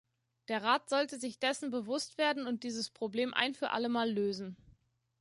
Der Rat sollte sich dessen bewusst werden und dieses Problem ein für allemal lösen.